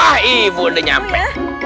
wah ibu udah nyampe